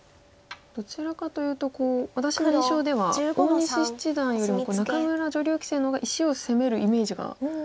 どちらかというと私の印象では大西七段よりも仲邑女流棋聖の方が石を攻めるイメージがあったんですけど。